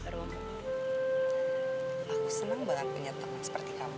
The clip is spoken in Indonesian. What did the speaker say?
aku senang banget punya teman seperti kamu